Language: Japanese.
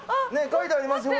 書いてありますね。